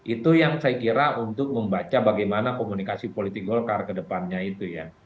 itu yang saya kira untuk membaca bagaimana komunikasi politik golkar ke depannya itu ya